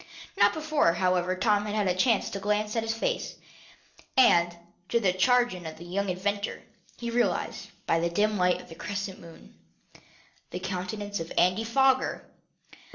Not before, however, Tom had had a chance to glance at his face, and, to the chagrin of the young inventor, he recognized, by the dim light of a crescent moon, the countenance of Andy Foger!